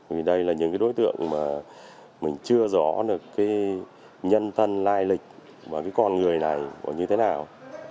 vì đây là những đối tượng mà mình chưa rõ được nhân thân lai lịch và con người này như thế nào